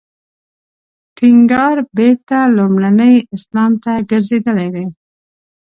ټینګار بېرته لومړني اسلام ته ګرځېدل دی.